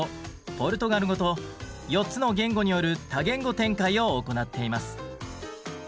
ポルトガル語と４つの言語による多言語展開を行っています。